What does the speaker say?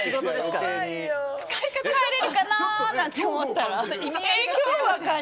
帰れるかななんて思ったら。